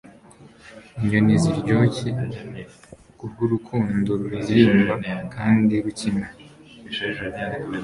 inyoni ziryoshye, kubwurukundo ruririmba kandi rukina